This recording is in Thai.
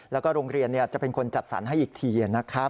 แล้วก็โรงเรียนจะเป็นคนจัดสรรให้อีกทีนะครับ